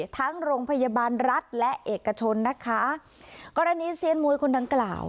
ทั้งโรงพยาบาลรัฐและเอกชนนะคะกรณีเซียนมวยคนดังกล่าว